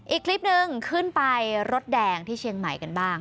อีกคลิปหนึ่งขึ้นไปรถแดงที่เชียงใหม่กันบ้าง